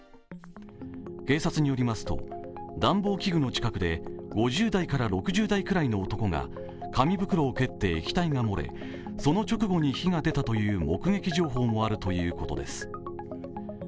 警察によりますと暖房器具の近くで５０代から６０代ぐらいの男が紙袋を蹴って、液体が漏れ、その直後に火が出たという目撃情報もあるということです。